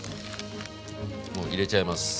もう入れちゃいます。